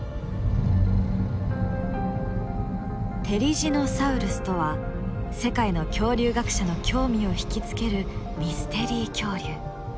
テリジノサウルスとは世界の恐竜学者の興味を引き付けるミステリー恐竜。